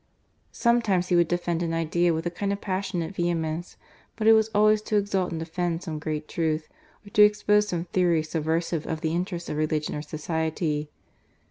Sometimes he would defend an idea with a kind of passionate vehemence, but it was always to exalt and defend some great truth, or to expose some theory subversive of the interests of religion or society.